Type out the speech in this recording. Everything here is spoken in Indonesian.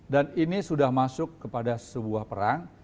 dan ini sudah masuk kepada sebuah perang